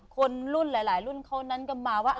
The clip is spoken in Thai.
คนรุ่นหลายรุ่นเขานั้นกันมาว่า